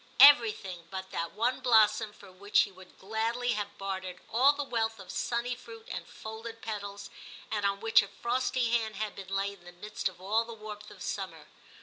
Everything but that one blossom for which he would gladly have bartered all the wealth of sunny fruit and folded petals, and on which a frosty hand had been laid in the midst of all the warmth of summer.